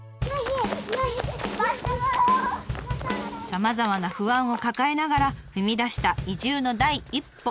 さまざまな不安を抱えながら踏み出した移住の第一歩。